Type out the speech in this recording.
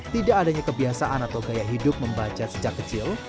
tidak adanya kebiasaan atau gaya hidup membaca sejak kecil